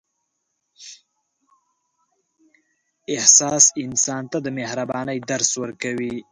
احساس انسان ته د مهربانۍ درس ورکوي.